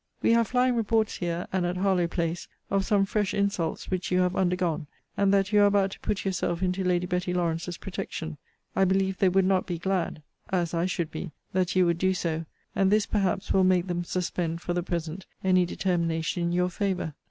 We have flying reports here, and at Harlowe place, of some fresh insults which you have undergone: and that you are about to put yourself into Lady Betty Lawrance's protection. I believe they would not be glad (as I should be) that you would do so; and this, perhaps, will make them suspend, for the present, any determination in your favour.